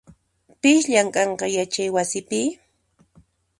Pis llamk'anqa yachaywasipi?